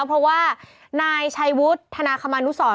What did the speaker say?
เพราะว่านายชัยวุฒิธนาคมานุสร